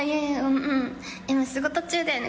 今、仕事中だよね。